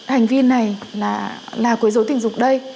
hành vi này là quấy dối tình dục đây